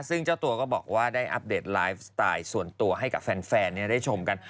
ซึ่งเจ้าตัวก็บอกว่าได้อัปเดตไลฟ์สไตล์ส่วนตัวให้กับแฟนได้ชมกัน